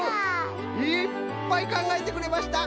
いっぱいかんがえてくれました！